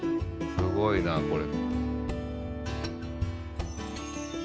すごいなこれ。